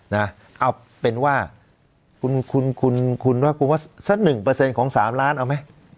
เอาเป็นว่าคุณว่า๑เปอร์เซ็นต์ของ๓ล้านเอาไหม